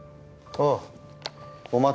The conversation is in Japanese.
ああ。